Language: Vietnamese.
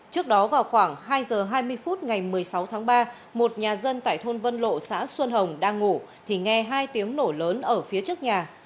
trước đó vào khoảng hai giờ hai mươi phút ngày một mươi sáu tháng ba một nhà dân tại thôn vân lộ xã xuân hồng đang ngủ thì nghe hai tiếng nổ lớn ở phía trước nhà